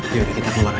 ya udah kita keluar aja